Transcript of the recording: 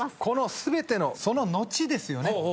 この全てのその後ですよね。